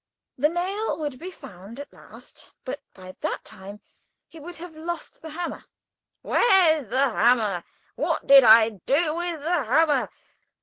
The nail would be found at last, but by that time he would have lost the hammer. "Where's the hammer? What did I do with the hammer?